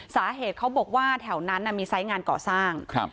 สาเหตุเขาบอกว่าแถวนั้นอ่ะมีสายงานก่อสร้างครับ